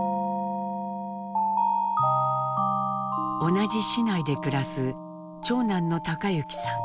同じ市内で暮らす長男の貴之さん。